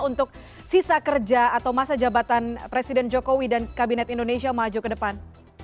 untuk sisa kerja atau masa jabatan presiden jokowi dan kabinet indonesia maju ke depan